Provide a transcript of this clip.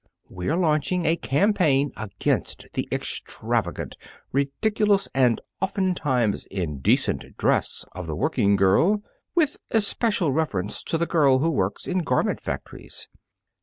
We are launching a campaign against the extravagant, ridiculous, and oftentimes indecent dress of the working girl, with especial reference to the girl who works in garment factories.